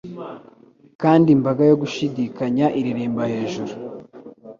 Kandi imbaga yo gushidikanya ireremba hejuru